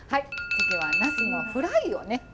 次はナスのフライをね。